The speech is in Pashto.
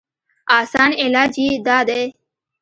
اسان علاج ئې دا دی